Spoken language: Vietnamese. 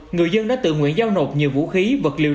người dân đã tự nguyện giao nộp nhiều vũ khí vật liều nổ